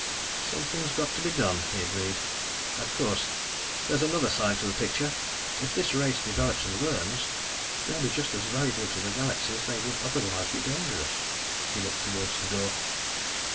"Something's got to be done," he agreed. "Of course, there's another side to the picture. If this race develops and learns, they'll be just as valuable to the galaxy as they would otherwise be dangerous." He looked toward the door.